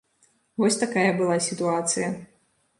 Вось такая была сітуацыя.